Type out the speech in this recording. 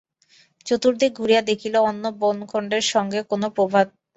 চতুর্দিকে ঘুরিয়া দেখিল, অন্য বনখণ্ডের সঙ্গে কোনো প্রভেদ নাই।